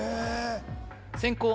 先攻